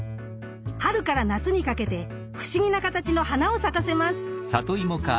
春から夏にかけて不思議な形の花を咲かせます。